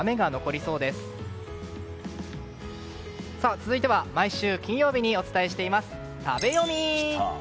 続いては、毎週金曜日にお伝えしています、食べヨミ。